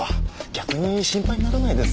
逆に心配にならないですか？